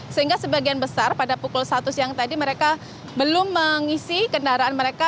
sehingga sebagian besar pada pukul satu siang tadi mereka belum mengisi kendaraan mereka